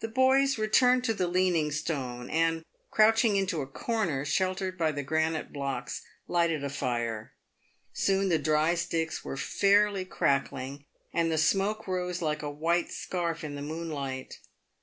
The boys returned to the leaning stone, and, crouching into a corner sheltered by the granite blocks, lighted a fire. Soon the dry sticks were fairly crackling, and the smoke rose like a white scarf in the moonlight.